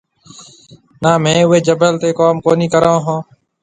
نا مهيَ اُوئي جبل تي ڪوم ڪونهي ڪرون هون۔